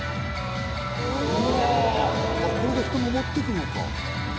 これで人登っていくのか。